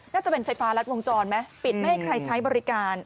น่าจะเป็นไฟฟ้ารัดวงจรไหมปิดไม่ให้ใครใช้บริการ